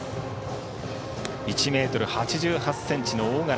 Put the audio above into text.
１ｍ８８ｃｍの大柄。